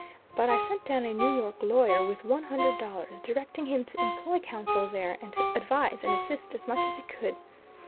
But I sent down a New York lawyer with one hundred dollars, directing him to employ council there, and to advise and assist as much as he could.